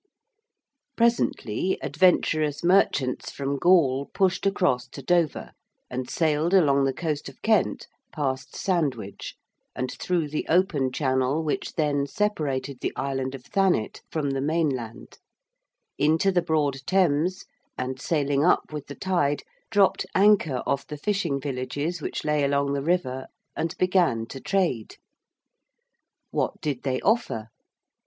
Presently adventurous merchants from Gaul pushed across to Dover, and sailed along the coast of Kent past Sandwich and through the open channel which then separated the island of Thanet from the main land, into the broad Thames, and, sailing up with the tide, dropped anchor off the fishing villages which lay along the river and began to trade. What did they offer?